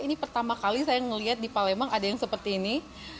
ini pertama kali saya melihat di palembang ada yang seperti ini